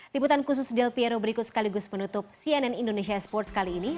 liputan khusus del piero berikut sekaligus penutup cnn indonesia sports kali ini